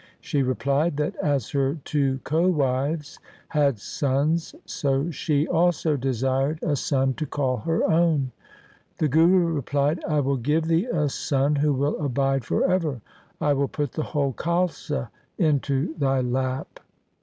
She replied, that as her two co wives had sons, so she also desired a son to call her own. The Guru replied, ' I will give thee a son who will abide for ever. I will put the whole Khalsa into thy lap.'